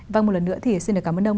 vâng một lần nữa thì xin được cảm ơn ông